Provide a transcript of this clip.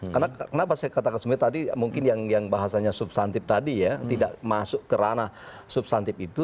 karena kenapa saya katakan sebenarnya tadi mungkin yang bahasanya substantif tadi ya tidak masuk ke ranah substantif itu